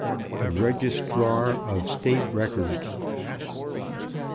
THE REGISTRAR OF STATE RECORDS.